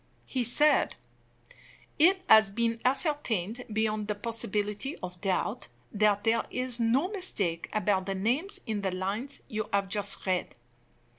He said: "It has been ascertained beyond the possibility of doubt that there is no mistake about the name in the lines you have just read.